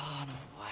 はい？